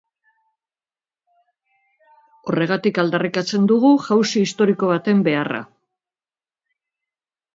Horregatik aldarrikatzen dugu jauzi historiko baten beharra.